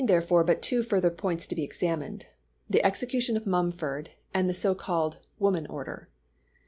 There remain therefore but two further points to be examined, the execution of Mumford and the so called "woman order."